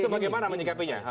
itu bagaimana menyikapinya